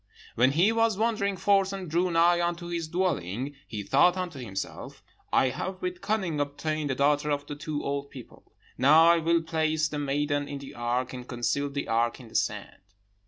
"When he was wandering forth and drew nigh unto his dwelling, he thought unto himself, 'I have with cunning obtained the daughter of the two old people. Now I will place the maiden in the ark, and conceal the ark in the sand.'